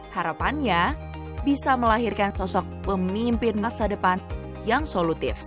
harapannya bisa melahirkan sosok pemimpin masa depan yang solutif